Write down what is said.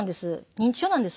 認知症なんです」